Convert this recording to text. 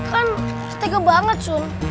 kan setega banget sun